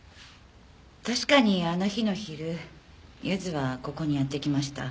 確かにあの日の昼ゆずはここにやって来ました。